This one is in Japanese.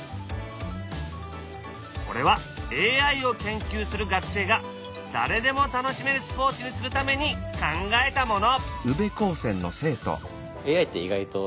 これはＡＩを研究する学生が誰でも楽しめるスポーツにするために考えたもの！